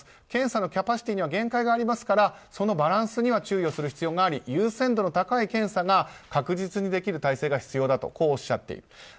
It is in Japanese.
検査のキャパシティーには限界がありますからそのバランスには注意する必要があり優先度の高い検査が確実にできる体制が必要だとおっしゃっている。